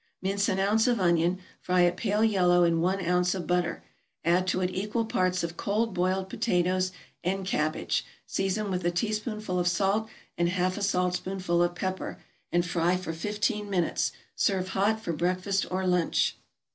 = Mince an ounce of onion, fry it pale yellow in one ounce of butter, add to it equal parts of cold boiled potatoes and cabbage, season with a teaspoonful of salt, and half a saltspoonful of pepper, and fry for fifteen minutes; serve hot for breakfast or lunch.